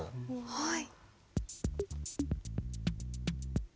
はい。